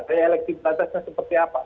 daya elektriklitasnya seperti apa